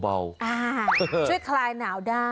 ช่วยคลายหนาวได้